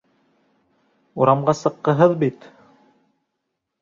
Урамға сыҡҡыһыҙ бит.